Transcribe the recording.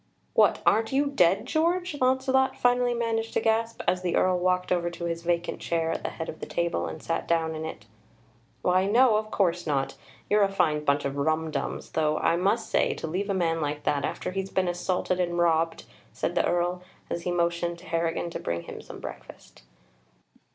"What, aren't you dead, George?" Launcelot finally managed to gasp, as the Earl walked over to his vacant chair at the head of the table and sat down in it. "Why, no; of course not. You're a fine bunch of rumdums, though, I must say, to leave a man like that, after he's been assaulted and robbed!" said the Earl, as he motioned to Harrigan to bring him some breakfast.